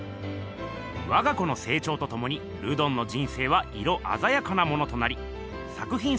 わが子のせいちょうとともにルドンの人生は色あざやかなものとなり作ひん